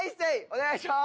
お願いしまーす！